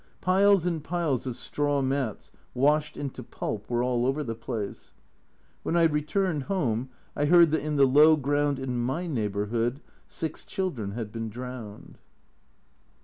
Piles and piles of straw mats, washed into pulp, were all over the place. When I returned home I heard that in the low ground in my neighbour hood six children had been drowned.